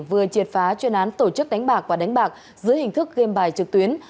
vừa triệt phá chuyên án tổ chức đánh bạc và đánh bạc dưới hình thức game bài trực tuyến